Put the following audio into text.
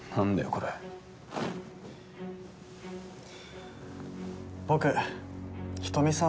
これ僕人見さん